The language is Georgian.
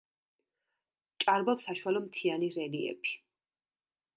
ჭარბობს საშუალომთიანი რელიეფი.